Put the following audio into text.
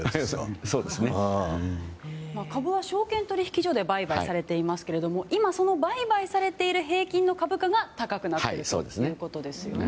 株は証券取引所で売買されていますけど今、その売買されている平均の株価が高くなっているということですよね。